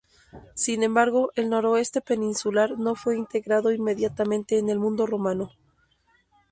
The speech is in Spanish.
Sin embargo el noroeste peninsular no fue integrado inmediatamente en el mundo romano.